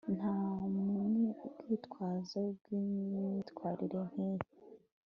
nta rwitwazo rwimyitwarire nkiyi